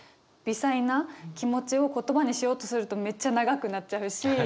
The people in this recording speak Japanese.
微細な気持ちを言葉にしようとするとめっちゃ長くなっちゃうし。